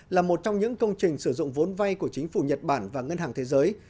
là một trong những công trình sử dụng vốn vay của chính phủ nhật bản và ngân hàng thế giới